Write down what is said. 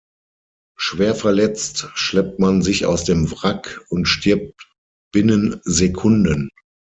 Schwer verletzt schleppt man sich aus dem Wrack und stirbt binnen Sekunden.